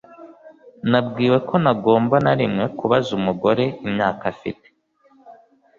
Nabwiwe ko ntagomba na rimwe kubaza umugore imyaka afite